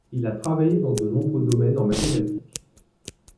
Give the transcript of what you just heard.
Il a travaillé dans de nombreux domaines en mathématiques.